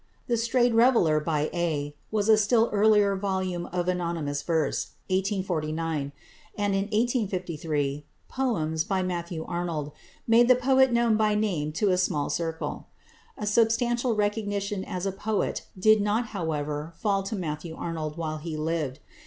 "The Strayed Reveller" by "A" was a still earlier volume of anonymous verse (1849); and, in 1853, "Poems" by Matthew Arnold made the poet known by name to a small circle. A substantial recognition as a poet did not however fall to Matthew Arnold while he lived.